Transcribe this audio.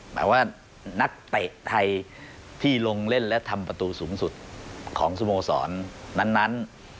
หมายว่านักเตะไทยที่ลงเล่นและทำประตูสูงสุดของสโมสรนั้น